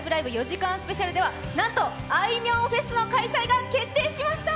４時間スペシャルではなんと、あいみょんフェスの開催が決定しました！